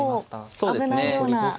そうですね。